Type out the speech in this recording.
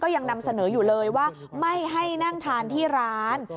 ยังนำเสนออยู่เลยว่าไม่ให้นั่งทานที่ร้าน